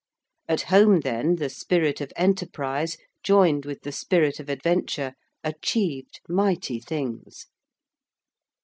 At home, then, the spirit of enterprise, joined with the spirit of adventure, achieved mighty things.